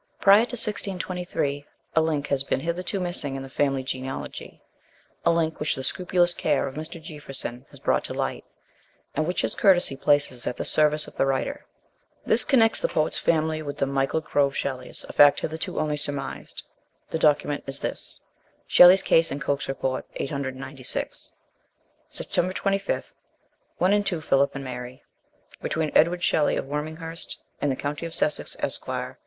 Prior to 1623, a link has been hitherto missing in the family genealogy a link which the scrupulous care of Mr. Jeaffreson has brought to light, and which his courtesy places at the service of the writer. This connects the poet's family with the Michel Grove 36 MRS. SHELLEY. Shelleys, a fact hitherto only surmised. The docu ment is this : SHELLEY'S CASE AND COKE'S REPORT, 896. 25 Sept. 1 & 2 Philip and Mary. Between Edward Shelley of Worminghurst, in the county of Sussex, Esqre.